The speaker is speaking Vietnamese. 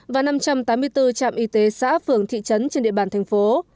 và năm trăm tám mươi bốn trạm y tế xã phường thị trấn trên địa bàn thành phố